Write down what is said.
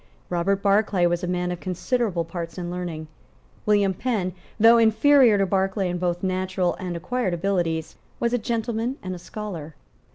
Robert Barclay was a man of considerable parts and learning. William Penn, though inferior to Barclay in both natural and acquired abilities, was a gentleman and a scholar.